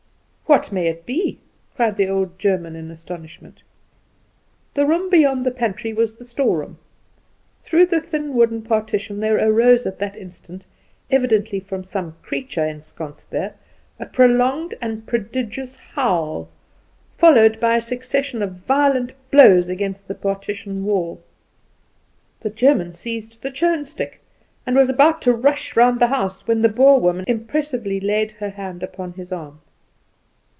"What may be it?" cried the old German in astonishment. The room beyond the pantry was the storeroom. Through the thin wooden partition there arose at that instant, evidently from some creature ensconced there, a prolonged and prodigious howl, followed by a succession of violent blows against the partition wall. The German seized the churn stick, and was about to rush round the house, when the Boer woman impressively laid her hand upon his arm.